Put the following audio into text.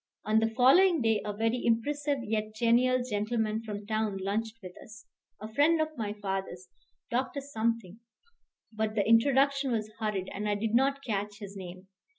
On the following day a very impressive yet genial gentleman from town lunched with us, a friend of my father's, Dr. Something; but the introduction was hurried, and I did not catch his name.